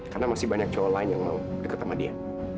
karena masih banyak cowok lain yang mau deket sama dia